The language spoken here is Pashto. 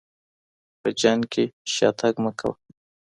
په جنګ کي شاتګ مه کوه.